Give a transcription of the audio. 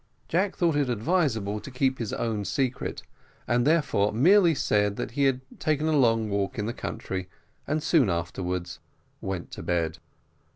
Jack thought it advisable to keep his own secret, and therefore merely said that he had taken a long walk in the country; and soon afterwards went to bed.